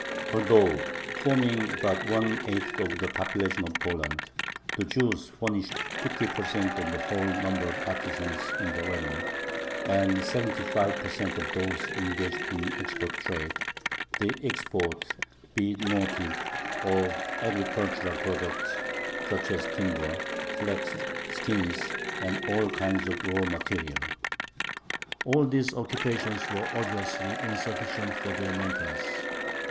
Although forming but one eighth of the population of Poland, the Jews furnished 50% of the whole number of artisans in the realm and 75% of those engaged in the export trade the export, be it noted, of agricultural products, such as timber, flax, skins, and all kinds of raw material. All these occupations were obviously insufficient for their maintenance.